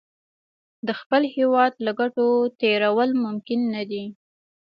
د خپل هېواد له ګټو تېرول ممکن نه دي.